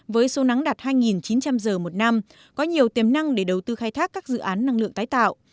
với số nắng đạt hai chín trăm linh giờ một năm có nhiều tiềm năng để đầu tư khai thác các dự án năng lượng tái tạo